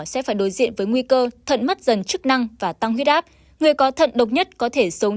sẽ phải đối diện với nguy cơ thận mất dần chức năng và tăng huyết áp người có thận độc nhất có thể sống